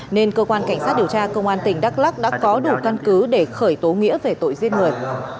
nên cơ quan cảnh sát điều tra công an tỉnh đắk lắc đã có đủ căn cứ để khởi tố nghĩa về tội giết người